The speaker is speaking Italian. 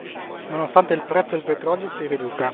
Nonostante il prezzo del petrolio si riduca.